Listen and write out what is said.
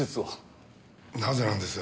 なぜなんです？